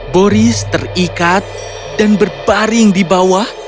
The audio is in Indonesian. boris terikat dan berbaring di bawah